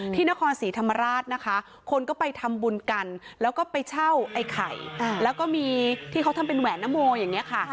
ที่นครศรีธรรมราชนะคะคนก็ไปทำบุญกันแล้วก็ไปเช่าไอ้ไข่แล้วก็มีที่เขาทำเป็นแหวนนโมอย่างนี้ค่ะ